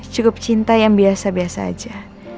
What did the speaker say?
cukup cinta yang biasa biasa aja